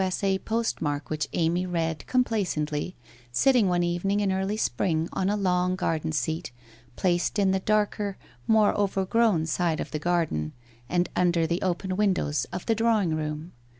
S. A. postmark which Amy read, complacently, sitting one evening in early spring on a long garden seat, placed in the darker, more overgrown side of the garden, and under the open windows of the drawing room.